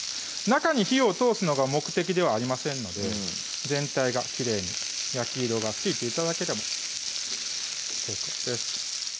中に火を通すのが目的ではありませんので全体がきれいに焼き色がついて頂ければ結構です